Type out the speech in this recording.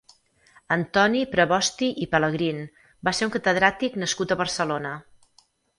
Antoni Prevosti i Pelegrín va ser un catedràtic nascut a Barcelona.